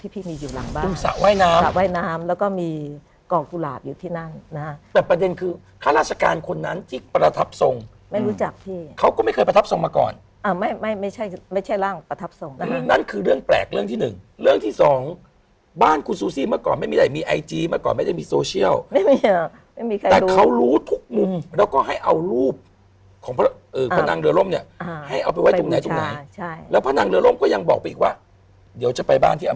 ประทับทรงไม่รู้จักพี่เขาก็ไม่เคยประทับทรงมาก่อนอ่าไม่ไม่ไม่ใช่ไม่ใช่ร่างประทับทรงนะฮะนั่นคือเรื่องแปลกเรื่องที่หนึ่งเรื่องที่สองบ้านคุณซูซี่เมื่อก่อนไม่มีใดมีไอจีเมื่อก่อนไม่ได้มีโซเชียลไม่มีอ่ะไม่มีใครรู้แต่เขารู้ทุกมุมแล้วก็ให้เอารูปของเออผนังเรือร่มเนี้ยอ่าให้เอาไปไว้ตรงไหนตรงไหนใช่แล้